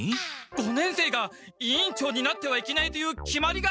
五年生が委員長になってはいけないという決まりがあるんですか？